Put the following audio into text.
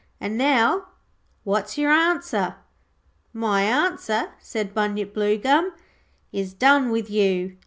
And now, what's your answer?' 'My answer,' said Bunyip Bluegum, 'is, Done with you.'